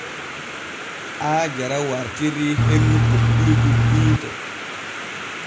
Aajara wartirii hennu kuɓɓirgu hiite.